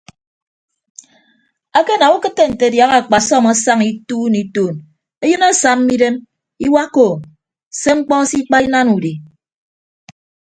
Akenam ukịtte nte adiaha akpasọm asaña ituun ituun eyịn asamma idem iwakka ou se mkpọ se ikpa inana udi.